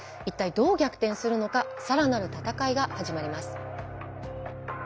一体どう逆転するのか更なる戦いが始まります。